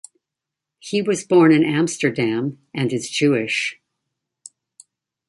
He was born in Amsterdam, and is Jewish.